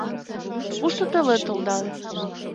Пушто телет толдале.